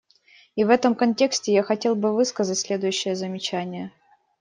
И в этом контексте я хотел бы высказать следующие замечания.